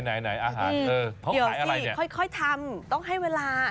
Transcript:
เดี๋ยวสิค่อยทำต้องให้เวลา